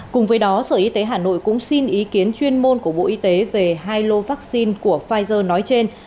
cùng với đó sở y tế hà nội cũng xin ý kiến chuyên môn của bộ y tế về hai lô vaccine của pfizer nói trên